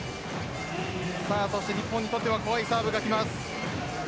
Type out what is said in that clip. そして日本にとっては怖いサーブがきます。